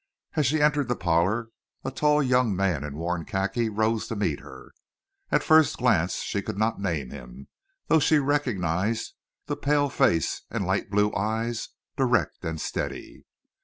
As she entered the parlor a tall young man in worn khaki rose to meet her. At first glance she could not name him, though she recognized the pale face and light blue eyes, direct and steady.